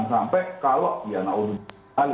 sampai kalau ya naudhubi